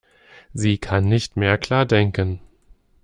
Sie kann nicht mehr klar denken.